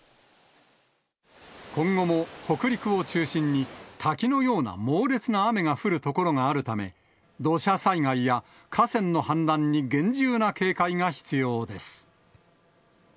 今後も北陸を中心に、滝のような猛烈な雨が降る所があるため、土砂災害や河川の氾濫に厳重な警戒が必要です。